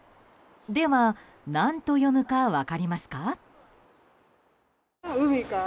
では、何と読むか分かりますか？